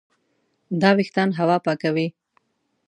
دا وېښتان هوا پاکوي.